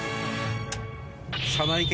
車内系？